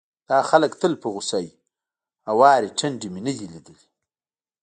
دا خلک تل په غوسه وي، هوارې ټنډې مې نه دي ليدلې،